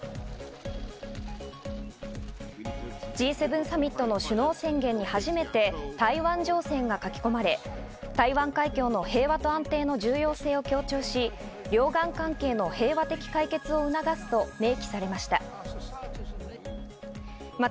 Ｇ７サミットの首脳宣言に初めて台湾情勢が書き込まれ、台湾海峡の平和と安定の重要性を強調し、両岸関係の平和的解決を促すと明記されました。